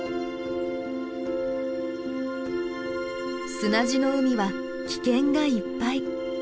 砂地の海は危険がいっぱい。